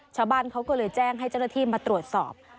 ชาวบ้านเขาก็เลยแจ้งให้เจ้าหน้าที่มาตรวจสอบ